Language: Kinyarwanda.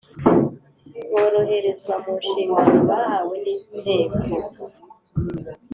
boroherezwa mu nshigano bahawe n Inteko